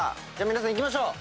皆さん行きましょう！